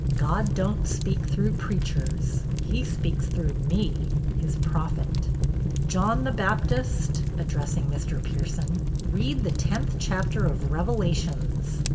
God don't speak through preachers; he speaks through me, his prophet. '" John the Baptist," (addressing Mr. Pierson), "read the tenth chapter of Revelations."